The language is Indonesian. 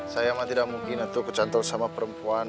saya mah tidak mungkin kecantol sama perempuan